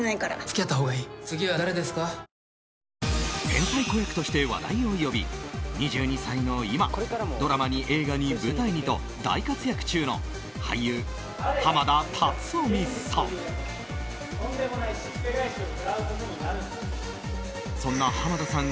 天才子役として話題を呼び２２歳の今ドラマに映画に舞台にと大活躍中の俳優・濱田龍臣さん。